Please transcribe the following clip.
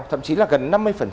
thậm chí là gần năm mươi